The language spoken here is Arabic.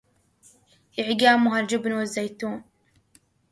إعجامُها الجبنُ والزيتونُ